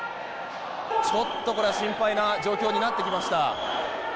ちょっとこれ心配な状況になってきました。